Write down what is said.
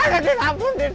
aduh udin ampun udin